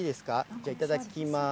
じゃあ、いただきます。